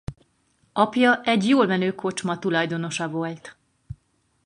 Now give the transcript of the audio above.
Apja egy jól menő kocsma tulajdonosa volt.